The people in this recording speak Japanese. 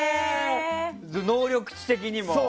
能力値的にも。